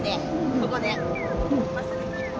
ここまっすぐ。